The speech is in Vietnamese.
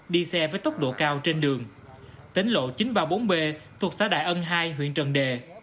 đi xe với tốc độ cao trên đường tính lộ chín trăm ba mươi bốn b thuộc xã đại ân hai huyện trần đề